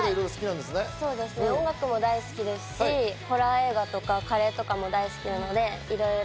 音楽も大好きですし、ホラー映画とか、カレーも好きなので。